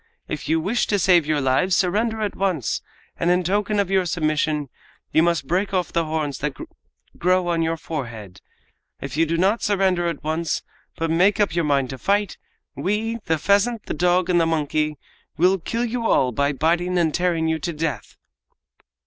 If you wish to save your lives surrender at once, and in token of your submission you must break off the horns that grow on your forehead. If you do not surrender at once, but make up your mind to fight, we, the pheasant, the dog and the monkey, will kill you all by biting and tearing you to death!"